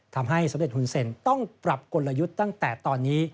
ทำให้สมเด็จหุ่นเซ็นต้องปรับกลยุทธ์ตั้งแต่ตอนนี้